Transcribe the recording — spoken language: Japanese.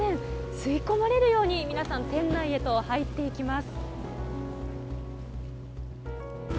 吸い込まれるように皆さん店内へと入っていきます。